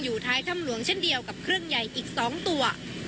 ท้ายถ้ำหลวงเช่นเดียวกับเครื่องใหญ่อีก๒ตัว